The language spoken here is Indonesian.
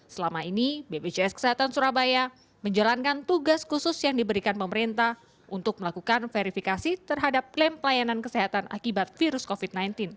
selama ini bpjs kesehatan surabaya menjalankan tugas khusus yang diberikan pemerintah untuk melakukan verifikasi terhadap klaim pelayanan kesehatan akibat virus covid sembilan belas